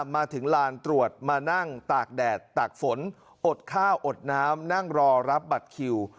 มาถึงลานตรวจมานั่งตากแดดตากฝนอดข้าวอดน้ำนั่งรอรับบัตรคิว